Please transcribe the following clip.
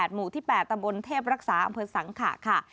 หมู่ที่๘ตำบลเทพรักษาอำเภอสังขะค่ะ